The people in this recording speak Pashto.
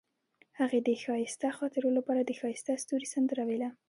هغې د ښایسته خاطرو لپاره د ښایسته ستوري سندره ویله.